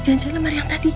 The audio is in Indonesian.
jangan cek lemar yang tadi